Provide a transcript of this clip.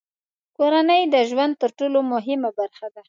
کورنۍ د ژوند تر ټولو مهمه برخه ده.